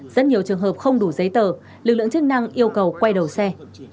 rất nhiều trường hợp không đủ giấy tờ lực lượng chức năng yêu cầu quay đầu xe